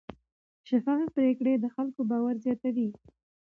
شفافې پریکړې د خلکو باور زیاتوي.